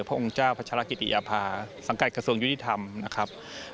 พระองค์เจ้าพัชรกิติยภาสังกัดกระทรวงยุติธรรมนะครับ